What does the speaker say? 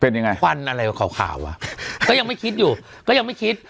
เป็นยังไงควันอะไรขาวขาวอ่ะก็ยังไม่คิดอยู่ก็ยังไม่คิด